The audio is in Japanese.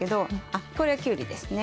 あっこれはきゅうりですね。